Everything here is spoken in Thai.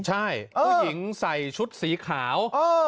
ใช่ผู้หญิงใส่ชุดสีขาว